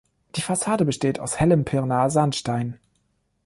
Die Fassade besteht aus hellem Pirnaer Sandstein.